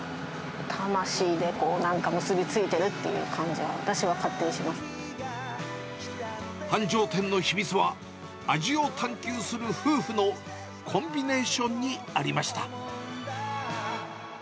魂でなんか結び付いているっ繁盛店の秘密は、味を探求する夫婦のコンビネーションにありました。